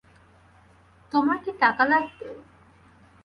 তোমার কি টাকা লাগবে?